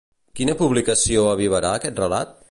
Quina publicació avivà aquest relat?